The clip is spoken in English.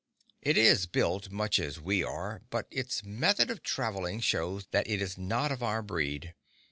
It is built much as we are, but its method of travelling shows that it is not of our breed.